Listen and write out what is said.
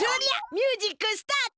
ミュージックスタート！